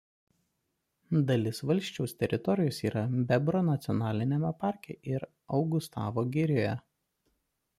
Dalis valsčiaus teritorijos yra Bebro nacionaliniame parke ir Augustavo girioje.